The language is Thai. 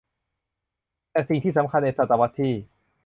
แต่สิ่งที่สำคัญในศตวรรษที่